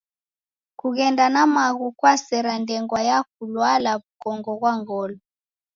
Kughenda na maghu kwasera ndengwa ya kulwala w'ukongo ghwa ngolo.